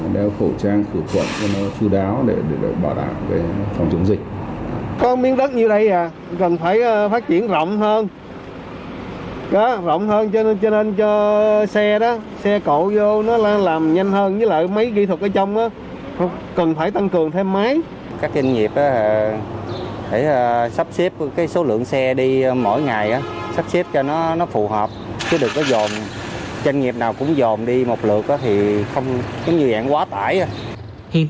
đeo khẩu trang khử quẩn cho nó chú đáo để bảo đảm phòng chống dịch